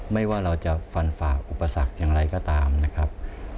ไม่ว่าเราจะฟันฝ่าอุปสรรคอย่างไรก็ตามนะครับ